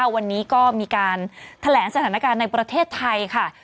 วันนี้ก็มีการแถลงสถานการณ์ในประเทศไทยค่ะ